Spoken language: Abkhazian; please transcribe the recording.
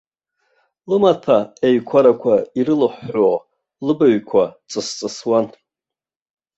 Лымаҭәа еиқәарақәа ирылыҳәҳәо лыбаҩқәа ҵысҵысуан.